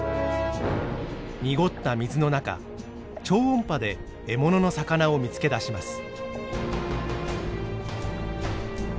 濁った水の中超音波で獲物の魚を見つけ出します。